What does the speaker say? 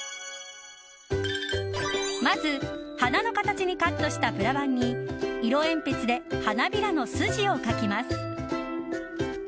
まず花の形にカットしたプラバンに色鉛筆で花びらの筋を描きます。